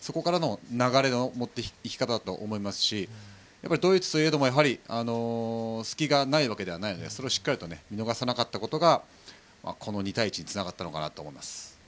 そこからの流れの持っていき方だと思いますしドイツといえども隙がないわけではないのでそれを見逃さなかったのが２対１につながったと思います。